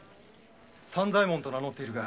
三左衛門と名乗っているが。